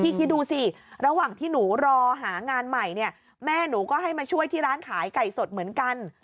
คิดดูสิระหว่างที่หนูรอหางานใหม่เนี่ยแม่หนูก็ให้มาช่วยที่ร้านขายไก่สดเหมือนกัน